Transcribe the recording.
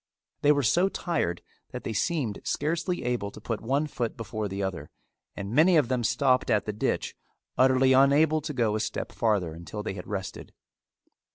They were so tired that they seemed scarcely able to put one foot before the other and many of them stopped at the ditch utterly unable to go a step farther until they had rested.